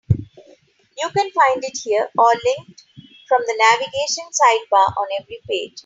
You can find it here, or linked from the navigation sidebar on every page.